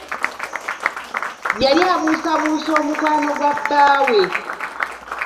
Yali abuusabuusa omukwano gwa bbaawe.